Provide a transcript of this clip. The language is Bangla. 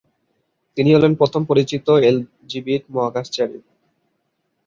তিনি হলেন প্রথম পরিচিত এলজিবিটি মহাকাশচারী।